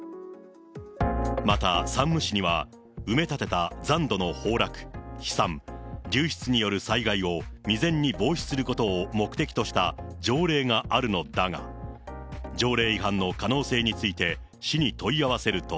また山武市には、埋め立てた残土の崩落、飛散、流出による災害を未然に防止することを目的とした条例があるのだが、条例違反の可能性について、市に問い合わせると。